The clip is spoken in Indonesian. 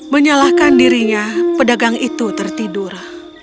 menyalahkan dirinya pedagang itu tertidur